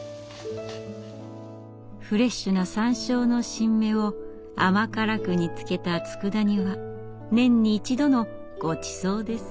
フレッシュなサンショウの新芽を甘辛く煮つけたつくだ煮は年に一度のごちそうです。